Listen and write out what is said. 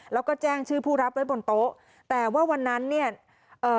แล้วก็แจ้งชื่อผู้รับไว้บนโต๊ะแต่ว่าวันนั้นเนี่ยเอ่อ